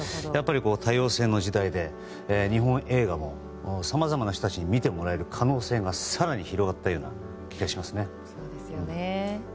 やっぱり多様性の時代で日本映画もさまざまな人たちに見てもらえる可能性が更に広がったような気がしますね。